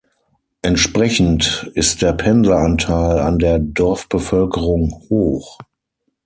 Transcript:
Entsprechend ist der Pendler-Anteil an der Dorfbevölkerung hoch.